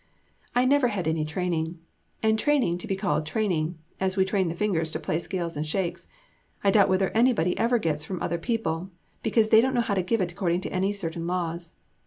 I never had any training; and training to be called "training," (as we train the fingers to play scales and shakes) I doubt whether anybody ever gets from other people, because they don't know how to give it according to any certain laws.